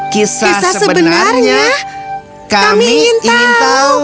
kisah sebenarnya kami ingin tahu